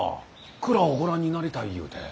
蔵をご覧になりたいゆうて。